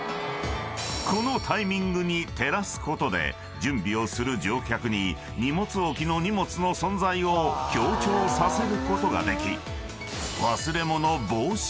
［このタイミングに照らすことで準備をする乗客に荷物置きの荷物の存在を強調させることができ］